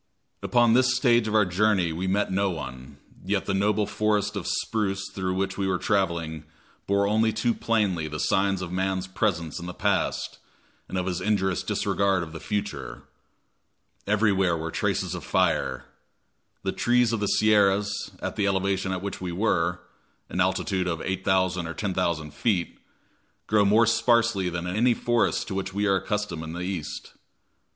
Upon this stage of our journey we met no one, yet the noble forest of spruce through which we were traveling bore only too plainly the signs of man's presence in the past, and of his injurious disregard of the future. Everywhere were the traces of fire. The trees of the Sierras, at the elevation at which we were, an altitude of 8,000 or 10,000 feet, grow more sparsely than in any forest to which we are accustomed in the East.